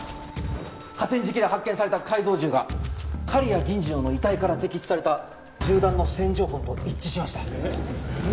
河川敷で発見された改造銃が刈谷銀次郎の遺体から摘出された銃弾の線条痕と一致しました。